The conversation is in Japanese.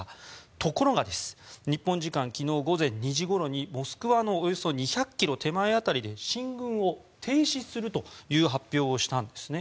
ところが日本時間の午前２時ごろにモスクワのおよそ２００ｋｍ手前辺りで進軍を停止するという発表をしたんですね。